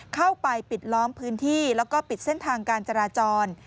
เข้าไปปิดล้อมพื้นที่แล้วก็ปิดเส้นทางการจราจร